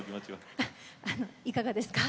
いかがですか？